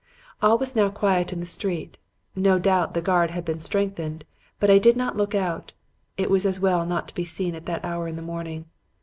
"All was now quiet in the street. No doubt the guard had been strengthened, but I did not look out. It was as well not to be seen at that hour in the morning.